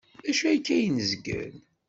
D acu akka ay nezgel?